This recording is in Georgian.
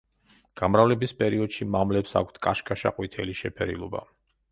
გამრავლების პერიოდში მამლებს აქვთ კაშკაშა ყვითელი შეფერილობა.